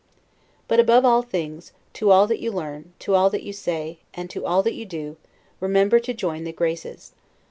But, above all things, to all that you learn, to all that you say, and to all that you do, remember to join the Graces.